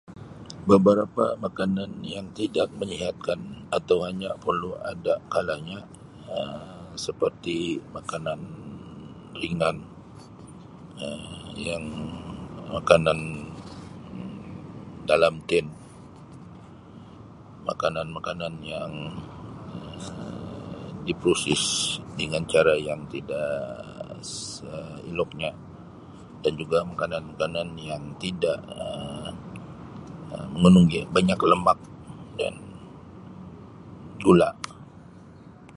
Beberapa makanan yang tidak menyihatkan atau hanya perlu ada kalanya Um seperti makanan ringan Um yang makanan dalam tin, makanan-makanan yang Um diproses dengan cara yang tidak seeloknya dan juga makanan-makanan yang tidak Um [unintelligible] banyak lemak dan gula.